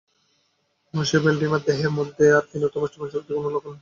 মঁশিয়ে ভ্যালডিমারের দেহের মধ্যে আর ক্ষীণতম জীবনীশক্তিরও কোনো লক্ষণ দেখা গেল না।